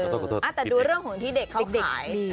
อะแต่ดูเรื่องที่เด็กเค้าขาย